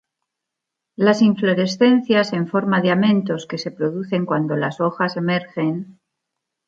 Las inflorescencias en forma de amentos que se producen cuando las hojas emergen.